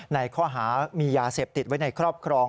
ในข้อหามียาเสพติดไว้ในครอบครอง